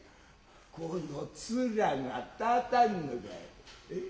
この面が立たぬのかいえっ。